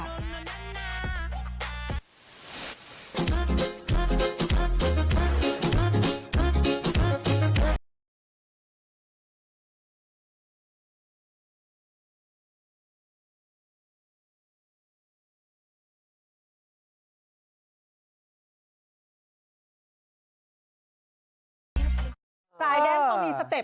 สายแดนเค้ามีสเต็ปนะครับ